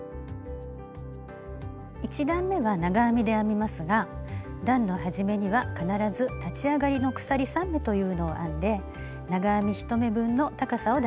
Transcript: １段めは長編みで編みますが段の始めには必ず立ち上がりの鎖３目というのを編んで長編み１目分の高さを出します。